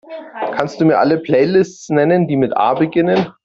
Kannst Du mir alle Playlists nennen, die mit A beginnen?